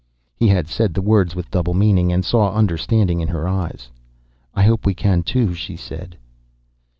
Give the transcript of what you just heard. He had said the words with double meaning, and saw understanding in her eyes. "I hope we can, too," she said.